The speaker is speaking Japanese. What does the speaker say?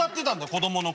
子供の頃。